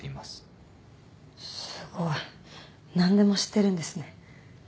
すごい。何でも知ってるんですね。